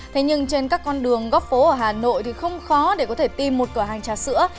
thế nhưng trên các con đường góc phố ở hà nội thì không khó để có thể tìm một cửa hàng trà sữa